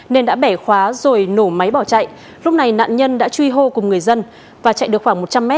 nên đã bẻ khóa rồi nổ máy bỏ chạy lúc này nạn nhân đã truy hô cùng người dân và chạy được khoảng một trăm linh m